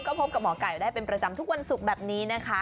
ก็พบกับหมอไก่ได้เป็นประจำทุกวันศุกร์แบบนี้นะคะ